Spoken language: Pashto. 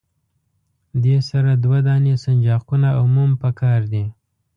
دې سره دوه دانې سنجاقونه او موم پکار دي.